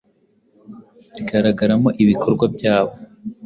rigaragaramo ibikorwa byabo